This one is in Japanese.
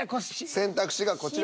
選択肢がこちら。